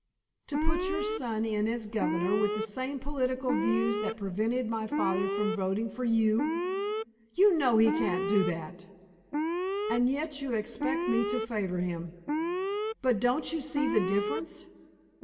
"To put your son in as governor with the same political views that prevented my father from voting for you! You know he can't do that!" "And yet you expect me to favor him!" "But don't you see the difference?